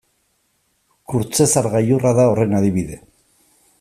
Kurtzezar gailurra da horren adibide.